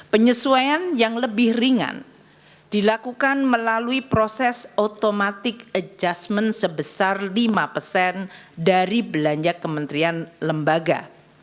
penyesuaian yang lebih ringan dilakukan melalui proses automatic adjustment sebesar lima persen dari belanja kementerian lembaga